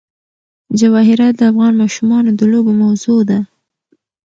جواهرات د افغان ماشومانو د لوبو موضوع ده.